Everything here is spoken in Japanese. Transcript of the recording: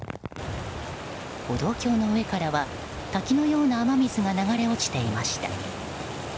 歩道橋の上からは滝のような雨水が流れ落ちていました。